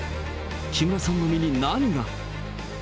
木村さんの身に何が。